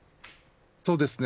そうですね。